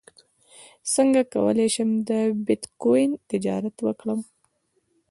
څنګه کولی شم د بیتکوین تجارت وکړم